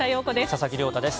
佐々木亮太です。